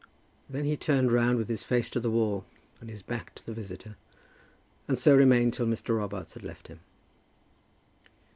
Then he turned round with his face to the wall and his back to his visitor, and so remained till Mr. Robarts had left him.